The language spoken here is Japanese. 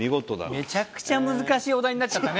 めちゃくちゃ難しいお題になっちゃったね。